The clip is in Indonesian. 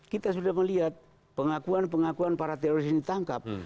kita sudah melihat pengakuan pengakuan para teroris ini ditangkap